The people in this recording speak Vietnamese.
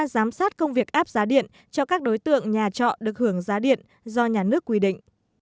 giám sát công việc áp giá điện cho các đối tượng nhà trọ được hưởng giá điện do nhà nước quy định